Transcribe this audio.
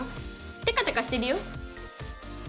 テカテカしてるよ。